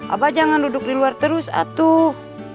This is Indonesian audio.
abah jangan duduk di luar terus atuh